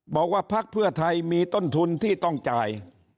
พักเพื่อไทยมีต้นทุนที่ต้องจ่าย